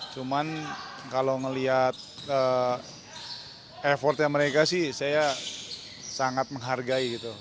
cuman kalau melihat effortnya mereka sih saya sangat menghargai gitu